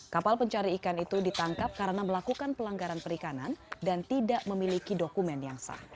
kapal pencari ikan itu ditangkap karena melakukan pelanggaran perikanan dan tidak memiliki dokumen yang sah